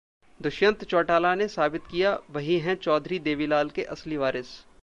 दुष्यंत चौटाला ने साबित किया, वही हैं चौधरी देवीलाल के असली वारिस